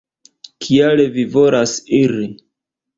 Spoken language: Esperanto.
Kial vi volas iri?